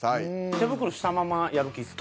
手袋したままやる気っすか？